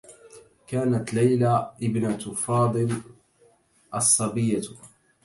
كانت ليلى ابنة فاضل الصّبيّة.